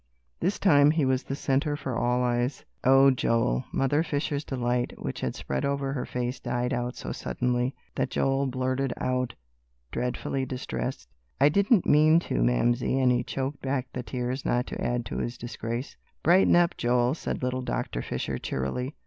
This time he was the centre for all eyes. "Oh, Joel!" Mother Fisher's delight which had spread over her face died out so suddenly, that Joel blurted out, dreadfully distressed, "I didn't mean to, Mamsie," and he choked back the tears, not to add to his disgrace. "Brighten up, Joel," said little Doctor Fisher, cheerily.